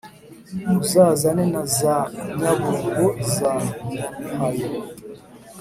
uzazane na za nyabungo za nyamihayo